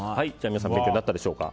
皆さん、勉強になったでしょうか。